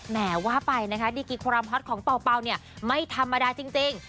แหมว่าไปดีกรีความฮอตของเป่าไม่ธรรมดาจริง